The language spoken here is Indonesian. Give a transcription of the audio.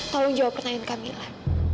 tolong jawab pertanyaan kak mila